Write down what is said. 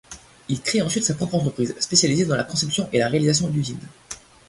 Il crée ensuite sa propre entreprise, spécialisée dans la conception et la réalisation d'usines.